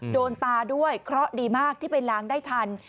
โดนตาด้วยเคราะห์ดีมากที่ไปล้างได้ทัน